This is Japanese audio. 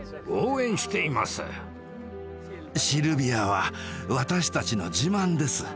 シルビアは私たちの自慢です。